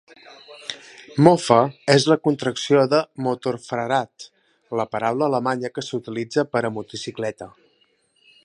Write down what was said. "Mofa" és la contracció de "Motor-Fahrrad", la paraula alemanya que s'utilitza per a "motocicleta".